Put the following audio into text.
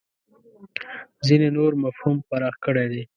ځینې نور مفهوم پراخ کړی دی.